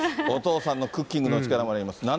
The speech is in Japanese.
お父さんのクッキングの力もあります。